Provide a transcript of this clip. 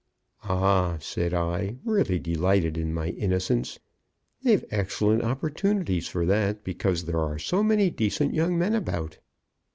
"Ah," said I, really delighted in my innocence. "They've excellent opportunities for that, because there are so many decent young men about."